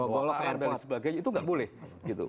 bahwa ar dan sebagainya itu nggak boleh gitu